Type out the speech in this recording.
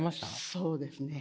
そうですね。